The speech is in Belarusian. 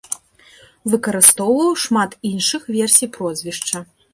Выкарыстоўваў шмат іншых версій прозвішча.